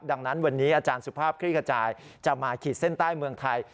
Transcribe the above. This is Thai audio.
ดังนั้นวันนี้อาจารย์สุภาพคลี่ขจายจะมาขีดเส้นใต้เมืองไทย